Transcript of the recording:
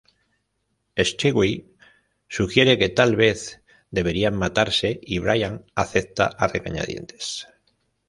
Stewie sugiere que tal vez deberían matarse y Brian acepta a regañadientes.